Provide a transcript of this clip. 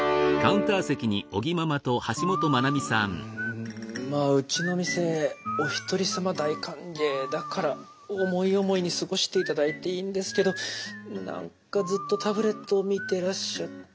うんまあうちの店お一人様大歓迎だから思い思いに過ごして頂いていいんですけど何かずっとタブレットを見てらっしゃって。